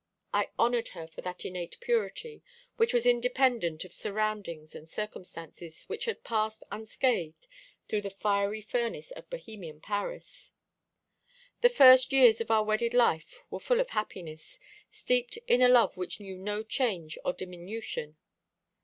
I honoured her for that innate purity which was independent of surroundings and circumstances, which had passed unscathed through the fiery furnace of Bohemian Paris. The first years of our wedded life were full of happiness, steeped in a love which knew no change or diminution.